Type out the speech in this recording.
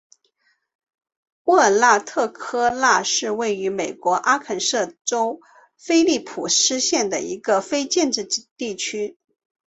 沃尔纳特科纳是位于美国阿肯色州菲利普斯县的一个非建制地区。